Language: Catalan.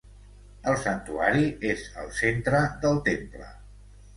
El santuari és al centre del temple.